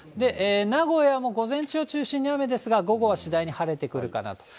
名古屋も午前中を中心に雨ですが、午後は次第に晴れてくるかなと。